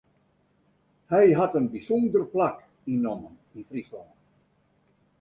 Hy hat in bysûnder plak ynnommen yn Fryslân.